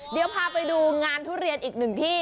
เดี๋ยวพาไปดูงานทุเรียนอีกหนึ่งที่